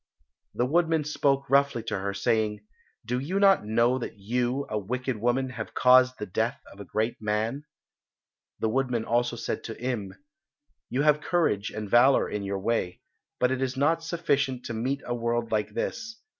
The woodman spoke roughly to her, saying, "Do you not know that you, a wicked woman, have caused the death of a great man?" The woodman said also to Im, "You have courage and valour in your way, but it is not sufficient to meet a world like this.